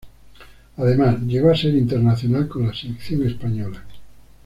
Además, llegó a ser internacional con la selección española.